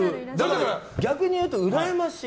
逆に言うとうらやましい。